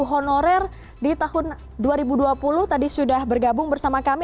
honorer di tahun dua ribu dua puluh tadi sudah bergabung bersama kami